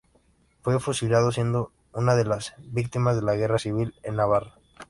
Fue fusilado, siendo una de las Víctimas de la Guerra Civil en Navarra.